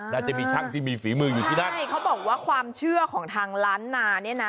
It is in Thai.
น่าจะมีช่างที่มีฝีมืออยู่ที่นั่นใช่เขาบอกว่าความเชื่อของทางล้านนาเนี่ยนะ